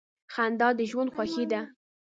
• خندا د ژوند خوښي ده.